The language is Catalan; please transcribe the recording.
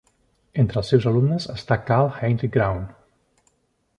Entre els seus alumnes està Carl Heinrich Graun.